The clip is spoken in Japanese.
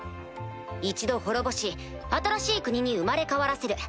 一度滅ぼし新しい国に生まれ変わらせる。